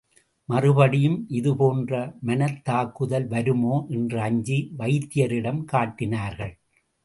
மறுபடியும் இது போன்ற மனத்தாக்குதல் வருமோ என்று அஞ்சி வைத்தியரிடம் காட்டினார்கள்.